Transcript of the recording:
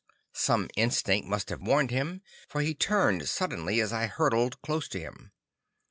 Some instinct must have warned him, for he turned suddenly as I hurtled close to him.